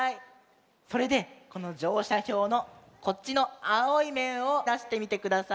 それでこのじょうしゃひょうのこっちのあおいめんをだしてみてください。